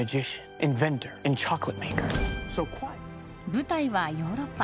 舞台はヨーロッパ。